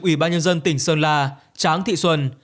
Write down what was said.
ủy ban nhân dân tỉnh sơn la tráng thị xuân